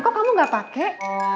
kok kamu gak pakai